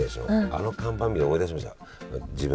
あの看板見て思い出しました。